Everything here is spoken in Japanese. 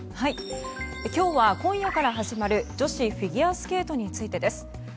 今日は今夜から始まる女子フィギュアスケートについてです。